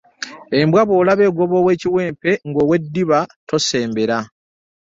Embwa bwolaba egoba ow'ekiwempe ng'oweddiba tosembera .